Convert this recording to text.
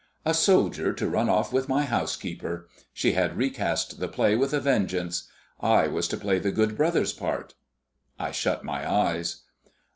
A soldier to run off with my housekeeper! She had recast the play with a vengeance; I was to play the good brother's part. I shut my eyes.